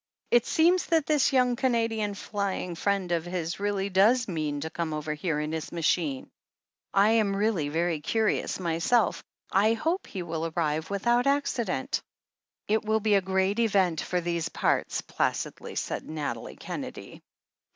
It seems that this yoimg Canadian flying friend of his really does mean to come over here in his machine. I am really very curious myself — I hope he will arrive without an accident." "It will be a great event for these parts," placidly said Nathalie Kennedy.